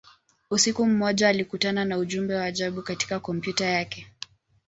Usiku mmoja, alikutana ujumbe wa ajabu katika kompyuta yake.